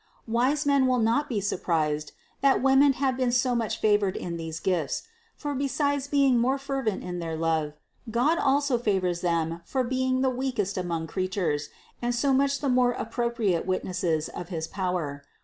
Wise men will not be surprised that women have been so much favored in these gifts ; for besides being more fervent in their love, God also favors them for being the weakest among crea tures and so much the more appropriate witnesses of his power.